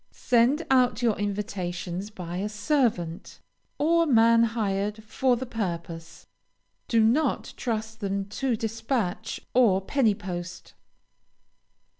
Send out your invitations by a servant, or man hired for the purpose; do not trust them to despatch or penny post.